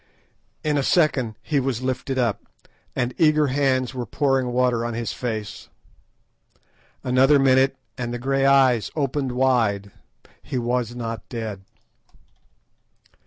In a second he was lifted up, and eager hands were pouring water on his face. Another minute, and the grey eyes opened wide. He was not dead.